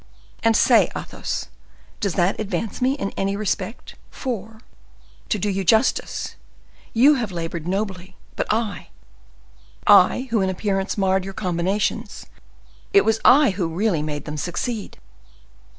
"And say, Athos, does that advance me in any respect? for, to do you justice, you have labored nobly. But I—I who in appearance marred your combinations, it was I who really made them succeed.